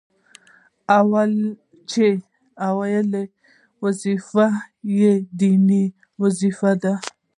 چي اوله وظيفه يې ديني وظيفه ده،